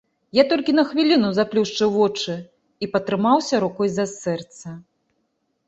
Я толькі на хвіліну заплюшчыў вочы і патрымаўся рукой за сэрца.